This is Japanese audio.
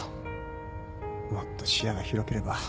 もっと視野が広ければ。